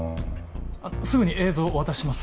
すぐに映像をお渡しします。